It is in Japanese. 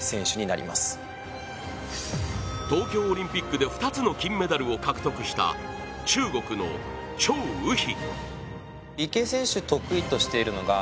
東京オリンピックで２つの金メダルを獲得した中国の、張雨霏。